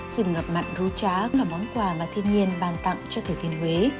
rừng ngập mặn rú trá là món quà mà thiên nhiên bàn tặng cho thừa thiên huế